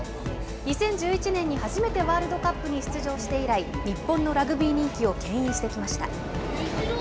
２０１１年に初めてワールドカップに出場して以来、日本のラグビー人気をけん引してきました。